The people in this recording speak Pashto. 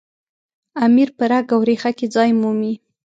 امیر په رګ او ریښه کې ځای مومي.